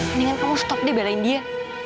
mendingan kamu stop dia belain dia